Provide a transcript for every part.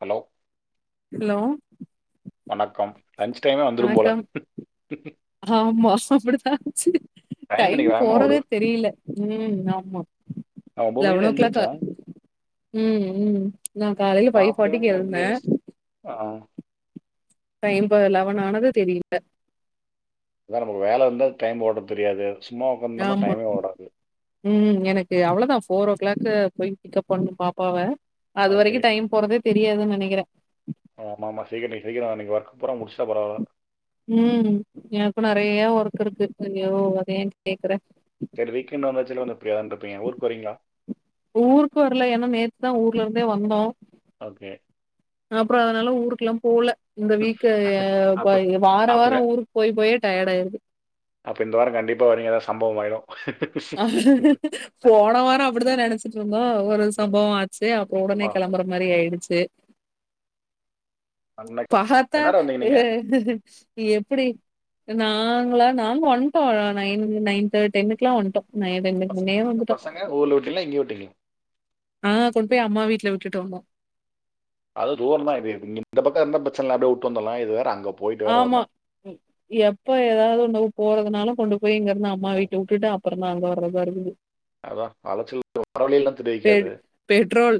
Hello hello வணக்கம் lunch டைமே வந்துரும் போல வணக்கம். சரி டைம் இன்னைக்கு வேகமாக போறதே தெரியல உம் ஆமா நா ஒம்போது மணிக்குதா எந்திர்ச்சே உம் உம் நா காலையில ஃபைவ் ஃபார்ட்டிக்கு அப்படியே எழுந்தே ஆ, டைம்ப லவன் ஆனதே தெரியல அதா நமக்கு வேல இருந்தா டைம் ஓட்றது தெரியாது சும்மா உக்காந்தம்னா ஆமா. டைமே ஓடாது ம் எனக்கு அவ்வளோதா ஃபோர் ஓ க்ளாக்கு போய் பிக்கப் பண்னு பாப்பாவ அது ஓகே வரைக்கு டைம் போறதேத் தெரியாதுன்னு நெனைக்கிறே ஆமா ஆமா சீக்கட்டி சீக்கிரோ இன்னக்கி ஒர்க் பூரா முடிச்சிட்டா பரவால உம் எனக்கு நெறைய ஒர்க் இருக்கு அய்யோ அதயேன் கேக்குற செரி வீக்கெண்ட் வந்தாச்சுல்ல வந்து அப்டியான்ருப்பீங்க ஊர்க்கு வரீங்களா துதா ஊர்ல இருந்தே வந்தோ ஓகே அப்றோ அதனால ஊருக்குல்லா போல இந்த வீக்கு அப்போ போய் வார அப்போ வாரம் ஊருக்கு போயி போயே டயர்ட் ஆயிருது அப்போ இந்த வாரம் கண்டிப்பா வரீங்க ஏதாது சம்பவம் ஆயிடு போன வாரோ அப்பிடிதா நெனச்சிட்டு இருந்தோ ஒரு சம்பவோ ஆச்சி அப்புறோ உடனே ஆமாம் கெளம்புற மாரி ஆயிடுச்சு அன்னைக்கு பாத்தா என்ன நேரம் வந்தீங்க நீங்கள் எப்புடி நாங்களா நாங்க வன்ட்டோ நைன்- நைன் தர்ட்- டென்னுகுல்லொ வன்ட்டோ பசங்க ஊர்ல வுட்டீங்களா இங்க வுட்டீங்களா ஆ கொண்ட் போய் அம்மா வீட்டுல விட்டுட்டு வந்தோ அது தூர தா இது இங் இந்த பக்க இருந்தா ப்ரச்சன இல்ல அப்புடியே வுட்டு வந்தர்லா இது வேற அங்கப் ஆமா எப்ப ஏதாவது ஒண்ணுவுப் போறது னால கொண்டு போயி இங்கிருந்து அம்மா வீட்ட வுட்டுட்டு அம் அப்புறந்தா அங்க வரதா இருக்குது அதா அலச்சல் வர வழியெல்லா பெ தெரிவிக்காது பெட்ரோல்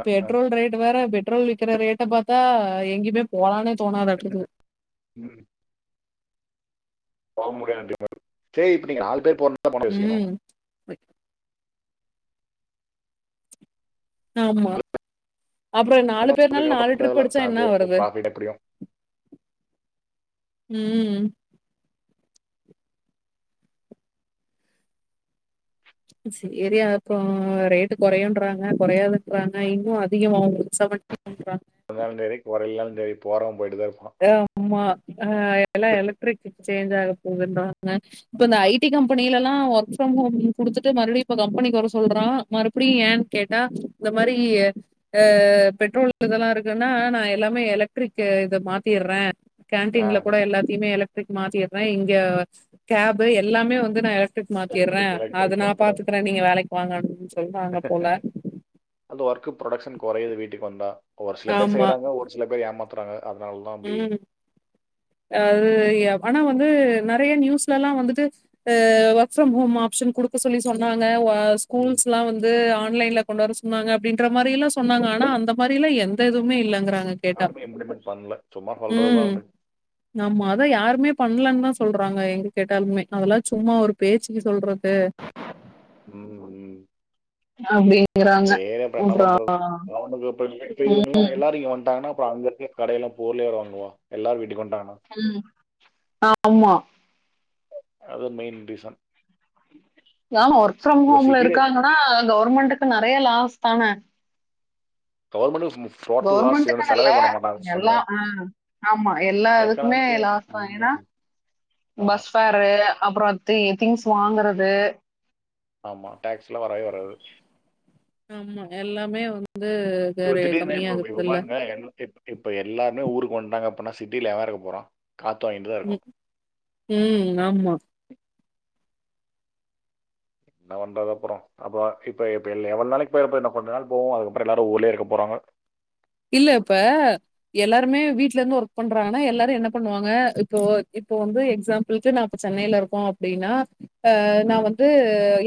அஹ் அஹ் பெட்ரோல் ரேட்டு வேற பெட் பெட்ரோல் விக்கிற ரேட்ட பாத்தா எங்கியுமே போலானே தோண் ம் போவ் முடியு செரி இப்ப நீங்க நாலு பேர் போண் பண்ணி பேசிக்கணு ம். ஆமா நாலு அப்புறோ நாலு பேருக்கு பேர்னால எல்லாம் நாலு பண்ண டரிப் அடிச்சா என்னா தேவையில்ல வருது ப்ராஃபிட் எப்படியும் ம் சேரி அப்புறோ ரேட்டு குறையுன்றாங்க குறையாதுன்றாங்க இன்னு அதிகமாகு [unintelligible] வந்தாலு சேரி வர்லனாலு சேரி போறோம் ஆ ஆமா ஆ எல்லா எலக்ட்ரிக் சேஞ்ச் ஆக ஒவ்வொன்றாக இப்ப இந்த ஐட்டி கம்பெனிலல்லா ஒர்க் ஃப்ரம் ஹோம் குடுத்துட்டு மறுபடியு கம்பெனிக்கு வர சொல்றா மறுபடியு ஏ கேட்டா இந்த மாரி ஆ பெட்ரோல் இதெல்லா இருக்குனா நா எல்லாமே எலக்ட்ரிக் இத மாத் த்திறே கேன்டில கூட இருப்பான் எல்லாத்தையுமே எலக்ட் மாத்திறே இங்க கேப் எல்லாமே வந்து நா எலக்ட மாத்திறே எலக்ட்ரிக் அது எலக்ட்ரிக் நா மாத்துறாங்க பாத்துக்கறே நீங்க வேலைக் வாங்க [unintelligible] அது ஒர்க் புரொடக்க்ஷன் கொறையது வீட் டுக்கு வந்தா ஒரு சில பேர் செய்யறாங்க ஒரு சில பேர் ஏமாத் தறாங்க உம் அது ஆனா வந்து நெறைய நியூஸ்லல்லா வந்துட்டு ஒர்க் ஃப்ரம் ஹோம் ஆப்ஷன் குடுக்க சொல்லி சொன்னாங்க ஆஹ் ஸ்கூல்ஸ்ல்லா வந்து ஆண் ஆண்லைன்ல கொண்டு வர சொன்னாங்க அப்படின்ற மாரில்லா சொன்னாங்க ஆனா அந்த மாரிலா எந்த எதுமே இல்லைங்கிறாங் காருமைய [unintelligible] உம் நம்ம அதா யாருமே பண்ணலன்தா சொல்றாங்க எங்க கேட்டாலுமே அதெல்லாம் சும்மா ஒரு பேச்சுக்கு சொல்றது உம் உம் அப்படிங்கறாங்க அப்பற இப்ப இவங் எல்லாரம் இங்க வட்டாங்க ன்னா அப்புற அங்க இருக்க கடைய்ல பொருள யார் வாங்குவா எல்லாரும் வீட்டுக்கு வந்துட்டாங்கன்னா ஹம் ஆமா அதும் மெயின் ரீசன் ஆமா ஒர்க் ஃப்ரம் இப்ப ஹோம்ல சிட்டில இருக்காங்கன்னா கவர்மெண்ட்டுக்கு நெறைய லாஸ் ஆனா கவர்மெண்டு கவர்மெண்ட்டுக்கனல்ல சொந்த எல்லா ஆ ஆமா எல்லாதுக்குமே எக்கனாமிக்கே லாஸ் தா ஏன்னா ஆமா. பஸ் ஃபேரு அப்புறோ தி திங்ஸ் வாங்கறது ஆமா டாக்ஸ்லா வரவே வராது ஆமா எல்லாமே ஒரு இப கரு- திடீர்னு இப்ப இப கம்மியாகுதுல்ல பாருங்க எல் இப் இப்ப எல்லாருமே ஊருக் ஒண்டாங்கப்பனா சிட்டி ல எவெருக்கபோறா ம் ம் ஆம்மா என்ன பண்றது அப்புறோ அப்ப இப்ப இப்ப எல்‌ எவ்வள் நாளைக் போயிருப்ப இன்ன கொஞ்சொ நாள் போவோ அதுக்கப்பறொ எல்லாரு ஊர்லயே இருக்க போறாங்க இல்ல இப்ப எல்லாருமே வீட்லருந்து ஒர்க் பண்றாங்கனா எல்லாரு என்ன பண்ணுவாங்க இப்போ இப்போ வந்து எக்ஸாம்பிள்க்கு நா அப்ப சென்னைலருக்கோ அப்டின்னா ஆ நா ம். வந்து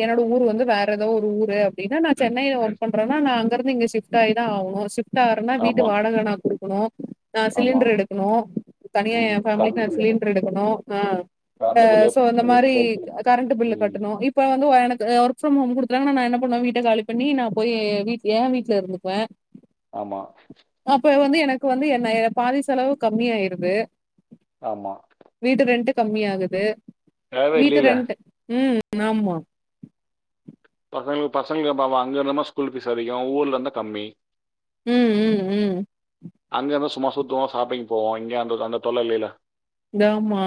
எனோட ஊர் வந்து வேறெதோ ஒரு ஊரு இதா நா ம். சென்னைல ம். ஒர்க் பண்றேன்னா நா அங்கருந்து இங்க ஷிஃப்ட் ஆயிதா ஆவுனு சுத்தா இப்பென்னா வீட்டு ஆமா. வாடக நா கு குனூ ஆ ஆமா. சிலிண்ட்ரு எடுக்கணு தனியாஏ ம். ஃபேமிலிக்கு கரண்ட் நா பில் சிலிண்ட்ரு எடுக்கணு ஆ அ கரண்ட் சோ அந்த மாரி பில் கரண்ட்டு பில்லு ம். கட்டணு இப்ப வந்து ஒ த ஒர்க் ஃப்ரம் ஹோம் குடுத்தறாங்கனா நா என்ன பண்ண வீட்ட காலி பண்ணி நா போய் வீட் ஏ வீட்ல இருந்துக்வே ஆமா னக்கு வந்து என்னை பாதி செலவு கம்மியாயிருது ஆமா. வீட்டு ரெண்ட்டுக் கம்மியாகுது தேவையே வீட்டு இல்லைல. ரெண்ட்டு உம் ஆம்மா பசங்ளு பசங்க அங்க என்னமோ ஸ்கூல் ஃபீஸ் அதிகொ ஊர்ல இருந்தா கம்மி உம் உம் உம் அங்க இருந்தா சும்மா சுத்துவோ ஷாப்பிங் போவோ இங்க அந்த அந்த தொல்ல இல்லில்ல ந்தாமா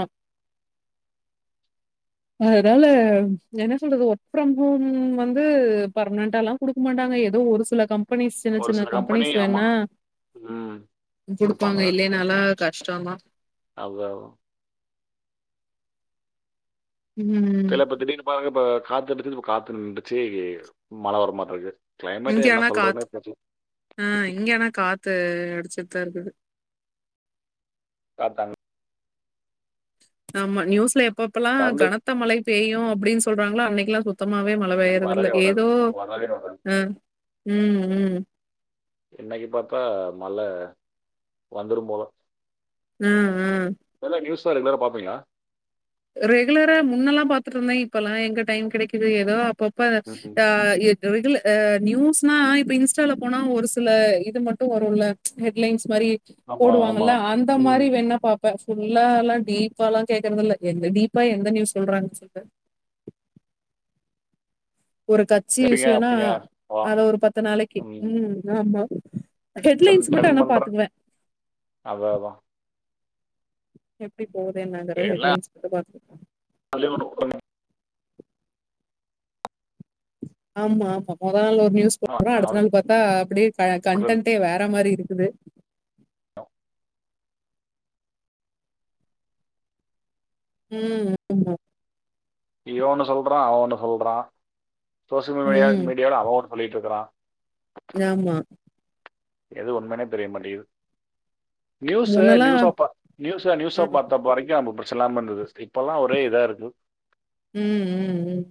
அதனால என்ன சொல்றது ஒர்க் ஃப்ரம் ஹோம் வந்து பர்மனன்டால்லா குடுக்க மாட்டாங்க ஏதோ ஒரு சில கம் பனிஸ் சின்ன ஒரு சின்ன சில கம்பெனி கம்பெனிஸ் ஆமா வேண்ணா ம் குடுப்பாங்க கொடுப்பாங்க இல்லைன்னால்லா கஷ்டந்தா அது ம். இல்ல இப்ப திடீர்னு பாருங்க ப காத்தெடுத்துது இப்ப காத்து நின்றுச்சு மழ வர மார்ருக்கு இங்க ஆனா காத்து ஆ இங்க ஆனா காத்து அடுச்சுட்தா இருக்குது காத்து அங் ஆமா நியூஸ்ல எப் பப்பல்லா கரண்ட் கனத்த மழை பேயு அப்புடின்னு சொல்றங்களோ அன்னைக்கல்லா சுத்தமாவே மழ இன்னைக்கு பேயறது இல்ல வரவே ஏதோ வராது வரவே வராது அ உம் உம் இன்னைக்கு பாத்தா மழ வந்துரும் போல அ ஆ இதெல்லாம் நியூஸ் ரெகுலரா பாப்பீங்களா ரெகுலரா முன்னெல்லாம் பாத்துட்டு இருந்தேன் இப்பல்லாம் எங்க டைம் கிடைக்குது ஏதோ அப்பப் ப்ப ம் அ இ ரெகுல ஆ நியூஸ்னா இப்ப இன்ஸ்டால போனா ஒரு சில இது மட்டும் வரு இல்ல ஹெட்லைன்ஸ் மாரி ஆமா ஆமா போடுவாங்கல அந்த ம் மாரி வேணா பாப் இப்ப ஃபுல்லா எல்லாம் டீப்பால்லாம் கேக்றதில்ல எந்த டீப்பா எந்த நியூஸ் சொல்றாங்க சொல்லு ஒரு கட்சி எப்படிங்க விஷயனா அப்படிங்க வா அத ஒரு பத்து நாளைக்கு ம் ஆமா ட்ரெண்ட் ஹெட்லைன்ஸ் மட்டும் ட்ரெண்ட் ஆனா பண்றேன் பாத்துக்குவே அதான் அதான் எப்டி போகுதே என்னாங்கறது எல்லாம் ஹட்லைன்ஸ் மட்டும் பாத்துப்பேன் [unintelligible] ஆமா ஆமா மொதலலா நியூஸ் போட்றோம் அடுத்த அவன் நாள் பாத்தா டே அ போட்டு- கண்டன்டே வேற மாரி இருக் இது உம் ம் இவ ஒன்னு சொல்றா அவ ஒன்னு சொல்றா சோசியல் மீடியா ம். மீடியால அவ ஒன்னு சொல்லிட்டு இருக்கறா ஆமா எது உண்மனே தெரிய மாட்டிது நியூஸ் அ முன்னலாம் நியூஸ் அ பா நியூஸ் அ நியூஸ் அ பாத்தப்ப வரைக்கும் அந்த ச்சலாம் இருந்தது இப்பெல்லாம் ஒரே இதா இருக்கு உம் உம் உம்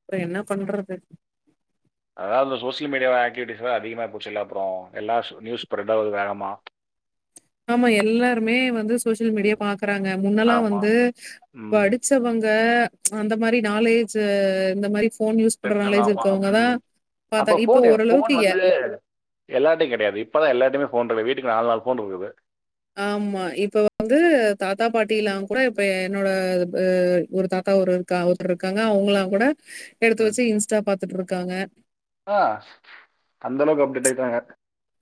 அப்றோ என்ன பண்றது அதாவது அந்த சோசியல் மீடியாவா ஆக்டிவிட்டிஸ் அதிகமாக போச்சுல அப்புறோ எல்லா நியூஸ் ஸ்ப்ரெட் ஆகுது வேகமா ஆமா எல்லாருமே வந்து சோசியல் மீடியா பாக்குறாங்க முன்னல்லாம் ஆமாம் வந்து ம் படிச்சவங்க அந்த மாரி நாலேஜ் இந்த மாரி ஃபோன் யூஸ் பண்ற தெரிஞ்சவங்க நாலேஜ் அப் இருக்கவங்க தான் ம்ம் பாத்தா அப்போ இப்ப ஓரளவுக்கு ஃபோன் எ வந்து எல்லார்டையும் கிடையாது இப்பதா எல்லார்டையுமே ஃபோன் இருக் வீட்டுக்கு நாலு நாள் போன்ருகுது ஆமா இப்ப வந்து தாத்தா பாட்டிலாம் கூட இப்ப என்னோட எ ஒரு தாத்தா ஒரு இருக்கா ஒருதர் இருக்காங்க அவங்கல்லாம் கூட எடுத்து வச்சு இன்ஸ்டா பாத் த்துட்ருக்காங்க அஹ் அந்த அளவுக்கு அப்டேட் ஆயிட்டாங்க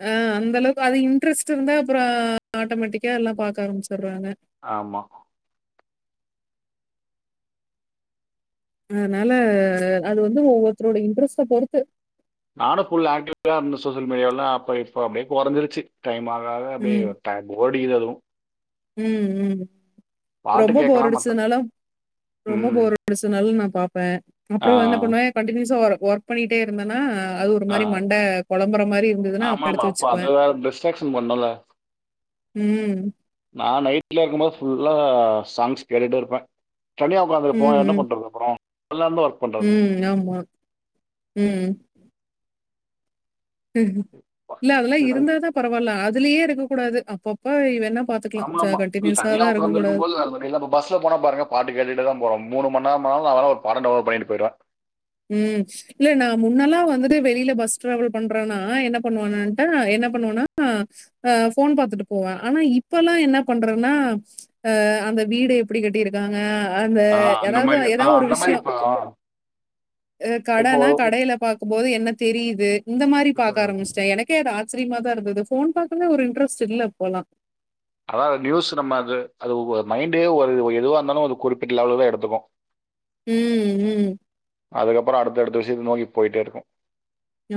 ஆஹ் அந்தளவுக்கு அது இன்ட்ரெஸ்ட் இருந்தா அப்புற ஆட்டோமேட்டிக்கா எல்லா பாக்க ஆரம்பிச்சு வராங்க ஆமாம் அதனால அது வந்து ஒவ்வொருத்தரோட இன்ட்ரெஸ்ட்ட பொறுத்து நானு ஃபுல் ஆக்டிவா இருந்தே சோசியல் மீடியால அப்ப இப்ப அப்படியே குறஞ்சிருச்சி டைம் ஆக ஆக அப்டியே டைம் ஓடிருது அதுவு உம் உம் பாட்டு ரொம்ப போர் கேட்கலாம் மற்ற அடிச்சுனாலு ரொம்ப ம் போர் அடிச்சதுனாலயு நா ப ஆ அப்புறோ என்ன பண்ணுவே கண்டூனியூஸா வரு ஒர்க் பண்ணிட்டே இருந்தேனா அது ஒரு ஆ மாதிரி மண்ட கொழம்புற மாரி இருந்ததுன்னா அப்ப ஆமாம்மா எடுத்து அப்போ வச்சுக்குவே அது வேறு டிஸ்ட்ராக்ஷன் பண்ணல உம் வீட்ல இருக்கும்போது ஃபுல்லா சாங்ஸ் கேட்டுட்டே இருப்பே தனிய உக்காந்திருப்போ என்ன பண்றது அப்புறோ உஹ்ம் ஆமா உம் இல்ல அதெல்லா இருந்தா தா பரவால்ல அத் அதுலயே இருக்க கூடாது அப்பப்ப இவ என்ன ஆமா ஆமா இப்டி தனியா உக்கார்ந்து இருக்கும் போது அந்த மாரி இப்ப பஸ்ல போன பாருங்க பாட்டு கேட்டுதா போறோ மூணு மண் நேரமனாலு நா எல்லா ஒரு பாட டவுன்லோட் பண்ணிட்டு போய்டுவே உம் இல்ல நா முன்னெல்லா வந்துட்டு வெளில பஸ் டிராவல் பண்றேன்னா என்ன பண்ணுவானட்டா என்ன பண்ணுவனா அஹ் ஃபோன் பாத்துட்டு போவே ஆனா இப்ப எல்லா என்ன பண்றேன்னா அஹ் அந்த வீடு எப்டி கட்டியிருக்காங்க அந்த ஆ, அந்த ஏதாவது மாதிரி ஆ, ஏதா ஒரு அந்த மாதிரி விஷயொ இப்போ அ கடனா கடையில பாக் போது என்ன தெரியுது இந்த மாரி பாக்க இப்போ ஆரம்பிச்சிட்டே எனக்கே அது ஆ அச்சரியமா தா இருந்தது ஃபோன் பாக்கணு ஒரு இன்டரெஸ்ட் இல்ல இப்பெல்லா அதா அந்த நியூஸ் நம்ம அது அது ஒ மைண்டே ஒரு எதுவா இருந்தாலு அது குறிப்பிட்ட லெவல தா எடுத்துக்கு உம் உம் இது நோக்கி போயிட்டே இருக்கு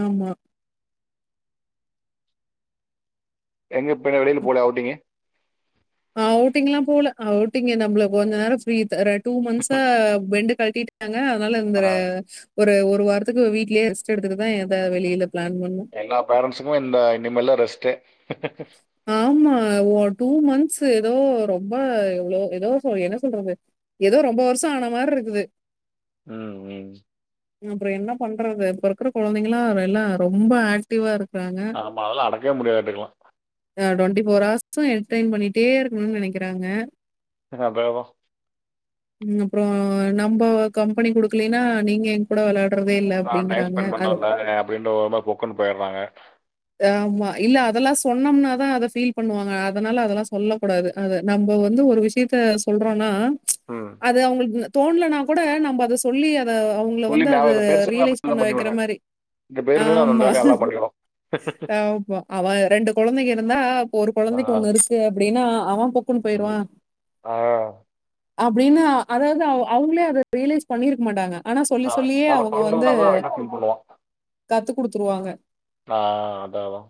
ஆமா எங்க பின்ன வெளில போலயா அவுட்டிங்கு அவுட்டிங்ல்லா போல அவுட்டிங்கு நம்மள கொஞ்ச நேர ஃப்ரீ தர டூ மந்த்ஸா பெண்டு [unintelligible] ங்க, அதனால இந்த ர ஒரு ஒரு வாரத்துக்கு வீ்ட்லயே ரெஸ்ட் எடுத்துட்டுதா எதா வெளியில பிளான் பண்ணோம். எல்லா பேரண்ட்ஸுக்கும் இந்த இனிமேல் தா ரெஸ்ட்டே. ஆமா டூ மன்த்ஸ் ஏதோ ரொம்ப எவ்ளோ ஏதோ என்ன சொல்றது, ஏதோ ரொம்ப வருஷம் ஆன மாரி இருக்குது. உம் உம் அப்றம் என்ன பண்றது? இப்ப இருக்ற கொழந்தைங்கலா எல்லா ரொம்ம்ப ஆக்டிவா இருக்கு. ஆமா, அதெல்லா அடக்கவே முடியாதுட்டுக்கலாம். ஆஹ் டொண்ட்டி போர் ஹார்ஸும் எக்ஸ்ப்ளெய்ன் பண்ணிட்டே இருக்கணும்னு நெனைக்கிறாங்க. [unintelligible] அப்றம் நம்ப கம்பெனி குடுக்கலேன்னா நீங்க எங்கூட விளாடு நா டைம் ஸ்பெண்ட் பண்ற நேரம் அப்டினு வரும்போது ஒரு மாரி புக்குனு போயிட்றாங்க. ஆமா. இல்ல அதெல்லா சொன்னோம்னாதா ஃபீல் பண்ணுவாங்க. அதனால அதெல்லா சொல்லக் கூடாது. அது நம்ப வந்து ஒரு விஷயத்த சொல்றோன்னா ம் அது அவங்களுக்கு தோண்லனா கூட நம்ப அத சொல்லி அவங்கள சொல்லி வந்து அது நான் இந்த பெருசுக்கெல்லாம் ரியலைஸ் அப்படி பண்ண தான் வைக்கிற பண்ணிவிடுங்க மாரி இந்த பெருசுக்கெல்லாம் அந்த ஆமா வேலையை நல்லா பண்ணிடும் ஆமா. அவன் ரெண்டு கொழந்தைங்க இருந்தா இப்ப ஒரு ஆ கொழந்தைக்கு ஒண்ணு இருக்கு அப்டின்னா அவெ பொக்குன்னு ம். போய்ருவான். ஆ அப்படின்னா, அதாவது அவங்களே அத ரியலைஸ் பண்ணிருக்க மாட்டாங்க. ஆனா சொல்லி, ஆ, சொல்லியே நம்ம அவங்க வந்து சொல்றதுனால தான் அவன் என்ன ஃபீல் கத்து குடுத்துருவாங்க நா அதா அதா.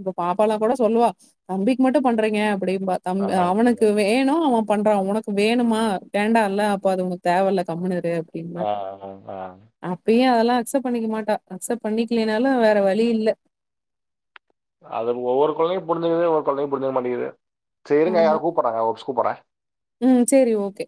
இப்ப பாப்பால்லா கூட சொல்லுவா தம்பிக்கு மட்டும் பண்றீங்க அப்டிம்பா. ஆ தம்பி அவனுக்கு வேணும் பண்றா உனக்கு வேணுமா, வேண்டா இல்ல இப்ப அது உனக்கு தேவ இல்ல கம்னு இரு. அப்டிம்பா. ஆ ஆ ஆ ஆ. அப்பயும் அதெல்லா அத அக்சப்ட் பண்ணிக்க மாட்டா. அக்சப்ட் பண்ணிக்கலைனாலும் வேற வழி இல்ல. அத ஒவ்வொரு கொழந்தையும் புரிஞ்சுக்கிது, ஒவ்வொரு கொழந்தையும் புரிஞ்சிக்க மாட்டேங்குது. சரி இருங்க ஆமா யாரோ கூப்பிட்றாங்க ஒப்ஸ் கூப்பிட்றாங்க உம் செரி ஓகே